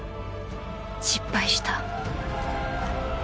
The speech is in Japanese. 失敗した。